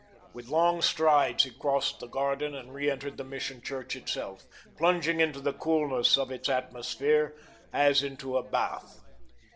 With long strides he crossed the garden and reentered the Mission church itself, plunging into the coolness of its atmosphere as into a bath.